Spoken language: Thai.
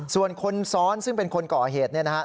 ส่วนคนซ้อนซึ่งเป็นคนก่อเหตุเนี่ยนะฮะ